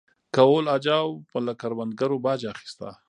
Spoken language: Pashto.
کهول اجاو به له کروندګرو باج اخیسته